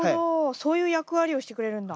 そういう役割をしてくれるんだ。